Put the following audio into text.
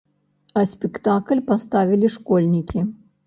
А спектакль паставілі школьнікі.